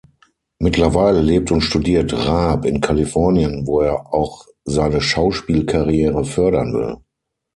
Mittlerweile lebt und studiert Raab in Kalifornien, wo er auch seine Schauspiel-Karriere fördern will.